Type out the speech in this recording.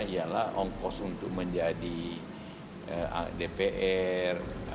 ialah ongkos untuk menjadi dpr